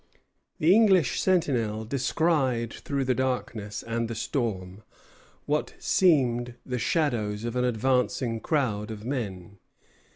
The English sentinel descried through the darkness and the storm what seemed the shadows of an advancing crowd of men.